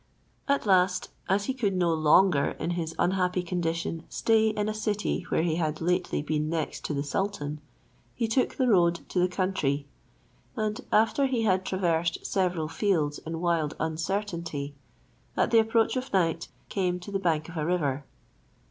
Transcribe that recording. At last, as he could no longer in his unhappy condition stay in a city where he had lately been next to the sultan, he took the road to the country; and after he had traversed several fields in wild uncertainty, at the approach of night came to the bank of a river.